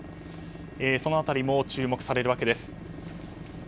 その辺りも注目されるわけです。